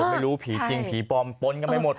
ไม่รู้ผีจริงผีปลอมปนกันไปหมด